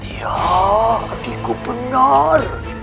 ya adikku benar